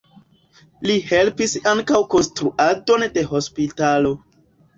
Li helpis ankaŭ konstruadon de hospitalo.